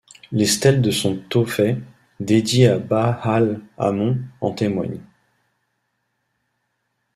Les stèles de son tophet, dédiées à Ba'al Hammon, en témoignent.